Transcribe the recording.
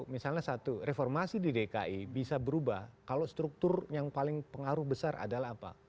misalnya satu reformasi di dki bisa berubah kalau struktur yang paling pengaruh besar adalah apa